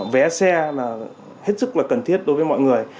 vé xe là hết sức cần thiết đối với mọi người